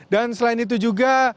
dan selain itu juga